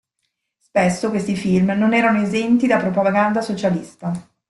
Spesso questi film non erano esenti da propaganda socialista.